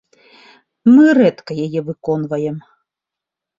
Мы рэдка яе выконваем.